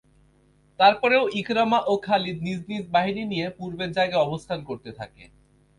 তারপরেও ইকরামা ও খালিদ নিজ নিজ বাহিনী নিয়ে পূর্বের জায়গায় অবস্থান করতে থাকে।